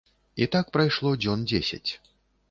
І так прайшло дзён дзесяць.